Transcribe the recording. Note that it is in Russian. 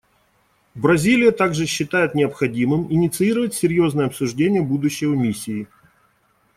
Бразилия также считает необходимым инициировать серьезное обсуждение будущего Миссии.